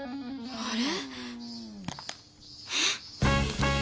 あれ？